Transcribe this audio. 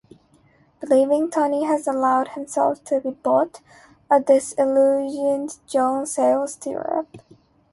Believing Tony has allowed himself to be bought, a disillusioned Joan sails to Europe.